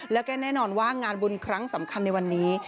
แล้วก็แน่นอนว่างานบุญครั้งสำคัญในวันนี้